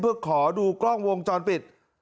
เพื่อขอดูกล้องวงจรปิด